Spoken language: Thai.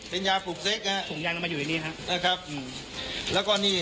เป็นยาปลูกเซ็กนะฮะถุงยางเรามาอยู่ในนี้ครับนะครับอืมแล้วก็นี่